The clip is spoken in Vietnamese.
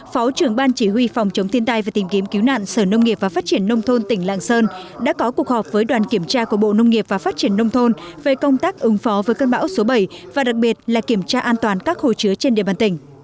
phó trưởng ban chỉ huy phòng chống thiên tai và tìm kiếm cứu nạn sở nông nghiệp và phát triển nông thôn tỉnh lạng sơn đã có cuộc họp với đoàn kiểm tra của bộ nông nghiệp và phát triển nông thôn về công tác ứng phó với cơn bão số bảy và đặc biệt là kiểm tra an toàn các hồ chứa trên địa bàn tỉnh